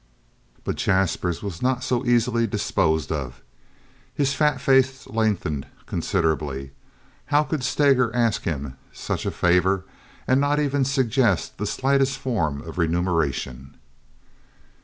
But Jaspers was not to be so easily disposed of. His fat face lengthened considerably. How could Steger ask him such a favor and not even suggest the slightest form of remuneration?